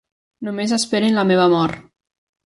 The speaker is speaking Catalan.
Només esperen la meva mort.